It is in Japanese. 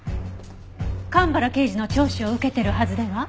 蒲原刑事の聴取を受けてるはずでは？